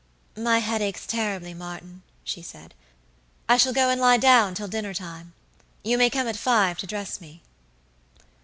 "My head aches terribly, Martin," she said; "I shall go and lie down till dinner time. You may come at five to dress me."